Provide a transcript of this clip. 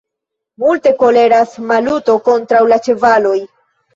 Multe koleras Maluto kontraŭ la ĉevaloj.